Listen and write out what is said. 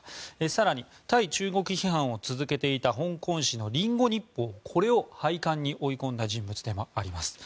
更に、対中国批判を続けていた香港紙のリンゴ日報を廃刊に追い込んだ人物でもあります。